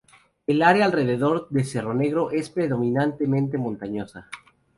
El área alrededor de Cerro Negro es predominantemente montañosa.